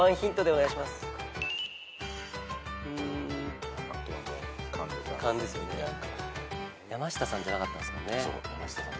やましたさんじゃなかったですもんね。